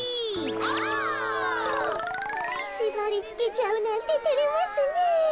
オ！しばりつけちゃうなんててれますねえ。